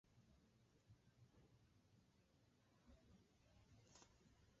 ha imandu'a chéve la abuela omanorãguarére